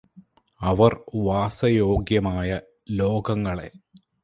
അവര് വാസയോഗ്യമായ ലോകങ്ങളെ